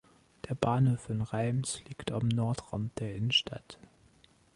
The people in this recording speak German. Der Bahnhof in Reims liegt am Nordrand der Innenstadt.